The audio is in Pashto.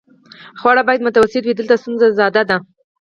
خواړه باید متوسط وي، دلته ستونزه داده.